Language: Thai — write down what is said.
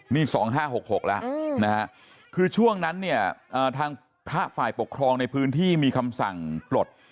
นี่๒๕๖๖แล้วนะฮะคือช่วงนั้นเนี่ยทางพระฝ่ายปกครองในพื้นที่มีคำสั่งปลด